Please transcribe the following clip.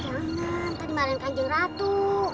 jangan tadi malam kanjung ratu